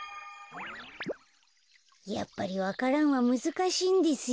やっぱりわか蘭はむずかしいんですよ。